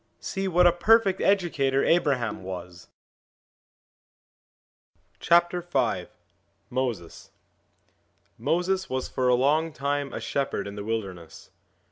See what a perfect educator Abraham was ! MOSES MOSES was for a long time a shepherd in the wilder ness.